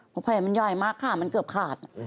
เพราะแผ่นมันยายมากค่ะมันเกือบขาด